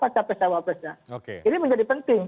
capres cawapresnya ini menjadi penting